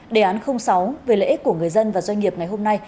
đề án sáu về lợi ích của người dân và doanh nghiệp ngày hôm nay